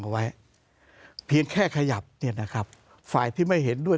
เอาไว้เพียงแค่ขยับเนี่ยนะครับฝ่ายที่ไม่เห็นด้วย